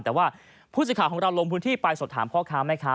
แต่ว่าผู้สิทธิ์ขาของเราลงพื้นที่ไปสดถามข้อค้าไหมคะ